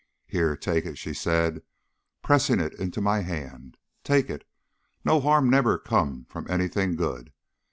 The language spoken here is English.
"Here, take it," she said, pressing it into my hand; "take it. No harm nebber come from anything good.